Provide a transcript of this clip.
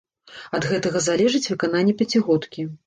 Ад гэтага залежыць выкананне пяцігодкі.